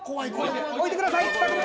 置いてください。